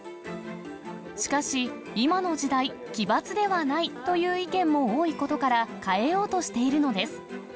しかし、今の時代、奇抜ではないという意見も多いことから、変えようとしているのです。